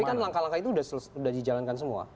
tapi kan langkah langkah itu sudah dijalankan semua